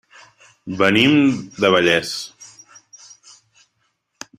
Venim de Vallés.